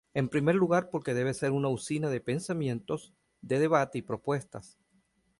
En primer lugar porque debe ser una usina de pensamiento, de debate y propuestas.